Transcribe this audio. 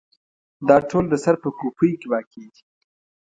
دا ټول د سر په کوپړۍ کې واقع دي.